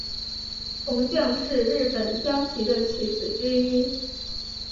铜将是日本将棋的棋子之一。